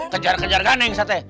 kejar kejar ganeng si rante